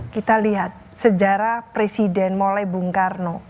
kita lihat sejarah presiden mulai bung karno